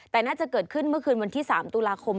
แต่น่าจะเกิดขึ้นเมื่อคืนวันที่๓ตุลาคม